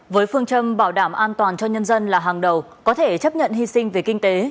với phương châm bảo đảm an toàn cho nhân dân là hàng đầu có thể chấp nhận hy sinh về kinh tế